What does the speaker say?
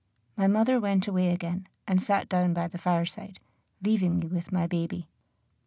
My mother went away again, and sat down by the fireside, leaving me with my baby.